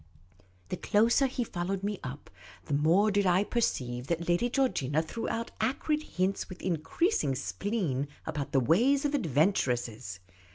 The closer he followed me up, the more did I perceive that Lady Georgina threw out acrid hints with increasing spleen about the ways of adventuresses.